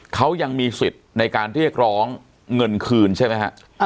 เขายังมีสิทธิ์ในการเรียกร้องเงินคืนใช่ไหมฮะ